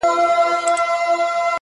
که تاجک دی- که اوزبک دی- یو افغان دی-